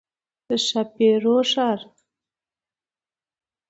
د ښاپورو ښار.